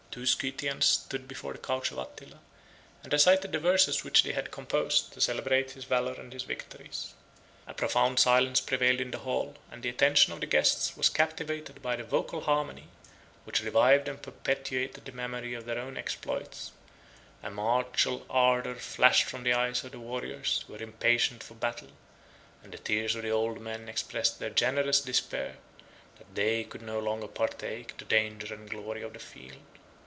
Two Scythians stood before the couch of Attila, and recited the verses which they had composed, to celebrate his valor and his victories. 4512 A profound silence prevailed in the hall; and the attention of the guests was captivated by the vocal harmony, which revived and perpetuated the memory of their own exploits; a martial ardor flashed from the eyes of the warriors, who were impatient for battle; and the tears of the old men expressed their generous despair, that they could no longer partake the danger and glory of the field.